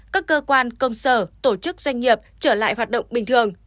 các cơ quan công sở tổ chức doanh nghiệp trở lại hoạt động bình thường